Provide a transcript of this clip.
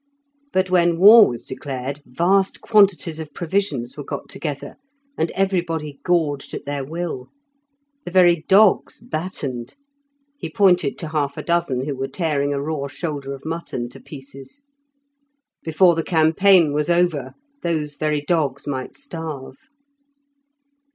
But when war was declared, vast quantities of provisions were got together, and everybody gorged at their will. The very dogs battened; he pointed to half a dozen who were tearing a raw shoulder of mutton to pieces. Before the campaign was over, those very dogs might starve.